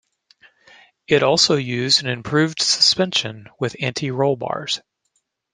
It also used an improved suspension with anti-roll bars.